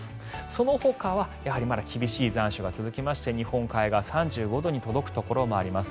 そのほかは厳しい残暑が続きまして日本海側、３５度に届くところもあります。